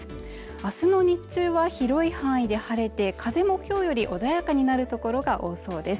明日の日中は広い範囲で晴れて風もきょうより穏やかになるところが多そうです